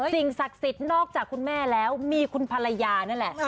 สิ่งศักดิ์สิทธิ์นอกจากคุณแม่แล้วมีคุณภรรยานั่นแหละ